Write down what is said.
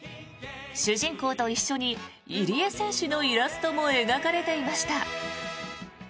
主人公と一緒に入江選手のイラストも描かれていました。